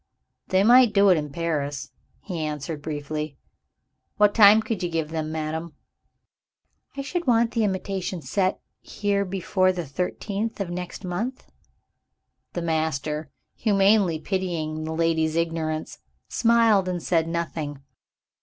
"They might do it in Paris," he answered briefly. "What time could you give them, madam?" "I should want the imitation sent here before the thirteenth of next month." The master, humanely pitying the lady's ignorance, smiled and said nothing.